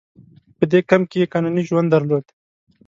په دې کمپ کې یې قانوني ژوند درلود.